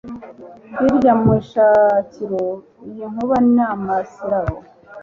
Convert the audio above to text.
hirya mu ishakiro lyinkuba n amasirabo